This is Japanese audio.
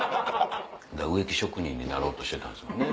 植木職人になろうとしてたんですもんね。